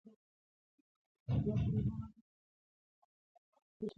زه د فلمونو د جوړېدو طریقه زده کول غواړم.